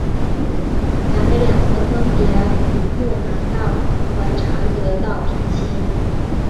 南北两侧分别与睦南道和常德道平行。